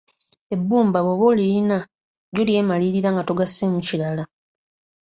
Ebbumba bwoba olirina lyo lyemalirira nga togasseemu kirala